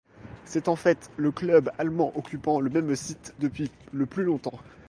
C’est en fait le club allemand occupant le même site depuis le plus longtemps.